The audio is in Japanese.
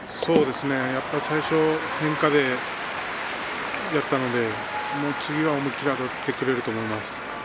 最初、変化でやったので次は思い切りあたってくると思います。